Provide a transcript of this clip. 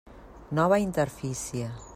Nova interfície.